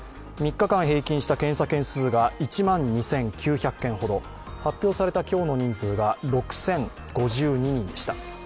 ３日間平均した検査件数は１万２９００件ほど、発表された今日の人数が６０５２人でした。